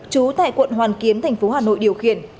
trú tại quận hoàn kiếm thành phố hà nội điều khiển